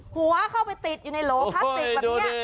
หัวเข้าไปติดอยู่ในโหลพลาสติกแบบนี้